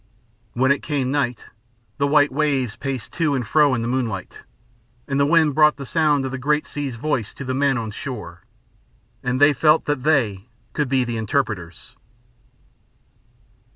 When it came night, the white waves paced to and fro in the moonlight, and the wind brought the sound of the great sea's voice to the men on shore, and they felt that they could then be interpreters.